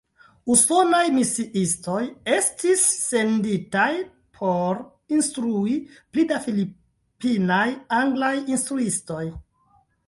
Usonaj misiistoj estis senditaj por instrui pli da filipinaj anglaj instruistoj.